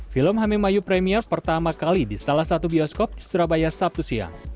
film hame mayu premier pertama kali di salah satu bioskop surabaya sabtu siang